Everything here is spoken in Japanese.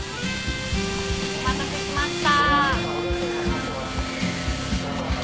お待たせしました。